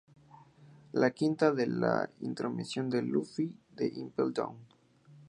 La quinta en la intromisión de Luffy en Impel Down.